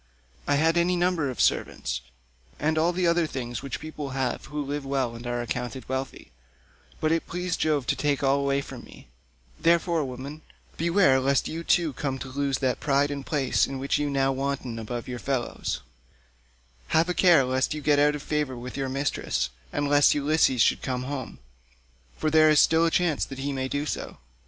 I had any number of servants, and all the other things which people have who live well and are accounted wealthy, but it pleased Jove to take all away from me; therefore, woman, beware lest you too come to lose that pride and place in which you now wanton above your fellows; have a care lest you get out of favour with your mistress, and lest Ulysses should come home, for there is still a chance that he may do so.